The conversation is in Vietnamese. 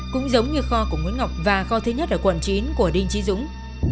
cũng giống như kho của nguyễn ngọc và kho thứ nhất ở quận chín của đinh trí dũng